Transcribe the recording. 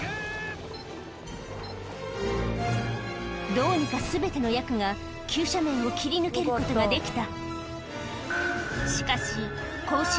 どうにか全てのヤクが急斜面を切り抜けることができた